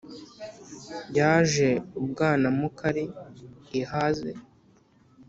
Yaje u Bwanamukari ihaze,